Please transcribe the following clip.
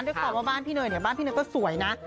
ด้วยความว่าบ้านพี่เนยเนี่ยบ้านพี่เนยก็สวยนะ